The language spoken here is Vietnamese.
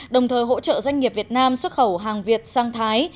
đồng thời hỗ trợ doanh nghiệp việt nam xuất khẩu hàng việt sang thái